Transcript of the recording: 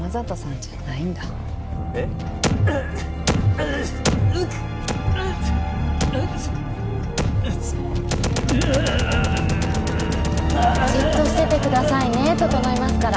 じっとしててくださいね整いますから。